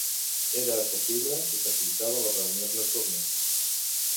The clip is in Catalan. Era assequible i facilitava les reunions nocturnes.